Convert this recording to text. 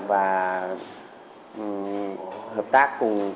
và hợp tác cùng các đối tượng